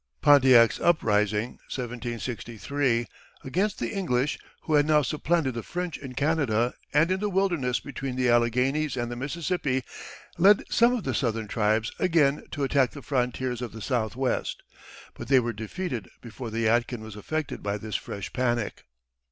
Pontiac's uprising (1763) against the English, who had now supplanted the French in Canada and in the wilderness between the Alleghanies and the Mississippi, led some of the Southern tribes again to attack the frontiers of the Southwest; but they were defeated before the Yadkin was affected by this fresh panic.